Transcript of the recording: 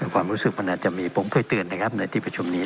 ความรู้สึกมันอาจจะมีผมเคยเตือนนะครับในที่ประชุมนี้